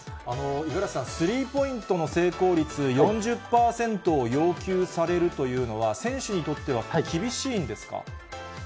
五十嵐さん、スリーポイントの成功率４０％を要求されるというのは、選手にとっては厳しいんですか。